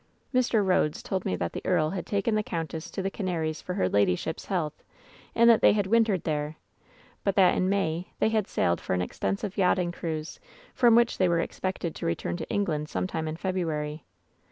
Messrs. Rhodes told me that the earl had taken the countess to the Cana ries for her ladyship's health, and that they had win tered there, but that in May they had sailed for an ex tensive yachting cruise, from which they were expected to return to England some time in February.